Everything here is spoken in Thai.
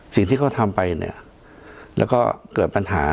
สิ่งที่เขาทำไปเนี่ยแล้วก็เกิดปัญหา